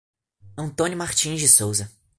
Antônio Martins de Souza